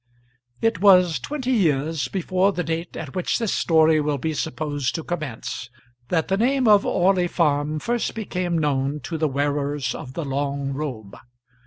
It was twenty years before the date at which this story will be supposed to commence that the name of Orley Farm first became known to the wearers of the long robe.